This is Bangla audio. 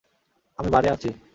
আমি বারে আছি!